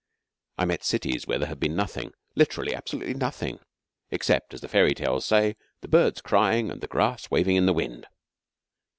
I met cities where there had been nothing literally, absolutely nothing, except, as the fairy tales say, 'the birds crying, and the grass waving in the wind.'